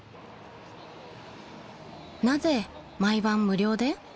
［なぜ毎晩無料で？］